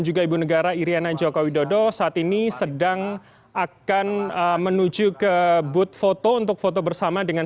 juga ibu negara iryana joko widodo saat ini sedang akan menuju ke booth foto untuk foto bersama dengan